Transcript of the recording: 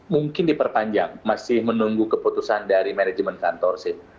mungkin diperpanjang masih menunggu keputusan dari manajemen kantor sih